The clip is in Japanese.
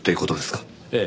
ええ。